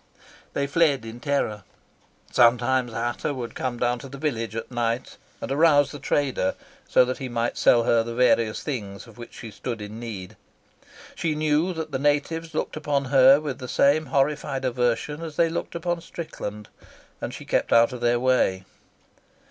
They fled in terror. Sometimes Ata would come down to the village at night and arouse the trader, so that he might sell her various things of which she stood in need. She knew that the natives looked upon her with the same horrified aversion as they looked upon Strickland, and she kept out of their way.